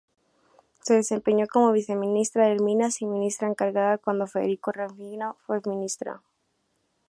Se desempeñó como Viceministra del Minas y Ministra Encargada cuando Federico Rengifo fue ministro.